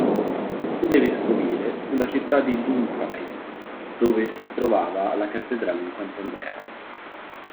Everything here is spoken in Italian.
Sede vescovile fu la città di Dumfries, dove si trovava la cattedrale di Sant'Andrea.